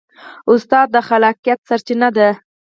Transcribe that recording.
استاد د خلاقیت سرچینه ده.